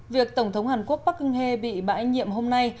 việc tổng thống hàn quốc park geun hye bị bãi nhiệm hôm nay